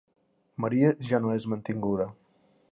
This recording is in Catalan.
Maria ja no és mantinguda.